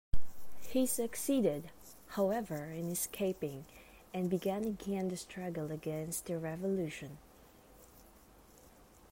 He succeeded, however, in escaping, and began again the struggle against the Revolution.